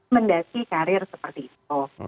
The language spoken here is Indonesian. mendaki karir seperti itu